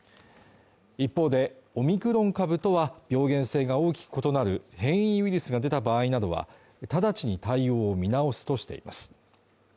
一方で、オミクロン株とは、病原性が大きく異なる変異ウイルスが出た場合などは直ちに対応を見直すとしています。